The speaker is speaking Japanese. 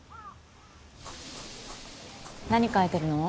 何描いてるの？